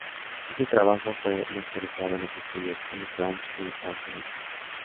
Este trabajo, fue masterizado en los estudios "Sonic Ranch", en Estados Unidos.